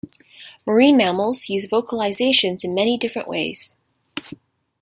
Marine mammals use vocalisations in many different ways.